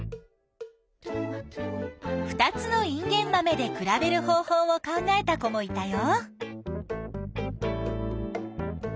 ２つのインゲンマメで比べる方法を考えた子もいたよ。